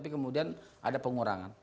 kemudian ada pengurangan